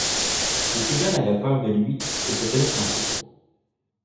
Les plus jeunes avaient peur de lui et se tenaient tranquilles.